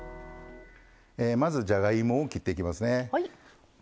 まずじゃがいもを切っていきますね。